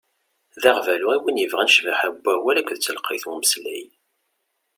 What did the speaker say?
D aɣbalu i win yebɣan ccbaḥa n wawal akked telqayt n umeslay.